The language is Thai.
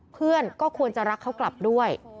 เพื่อนก็ควรจะรักเขากลับด้วย